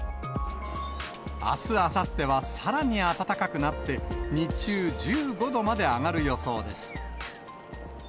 あす、あさってはさらに暖かくなって、日中、１５度まで上がる予想です。